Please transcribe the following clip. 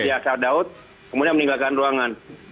pak adiasa daud kemudian meninggalkan ruangan